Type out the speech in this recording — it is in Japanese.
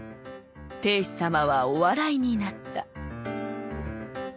定子様はお笑いになった」。